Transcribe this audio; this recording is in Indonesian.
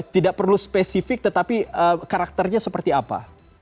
tidak perlu spesifik tetapi karakternya seperti apa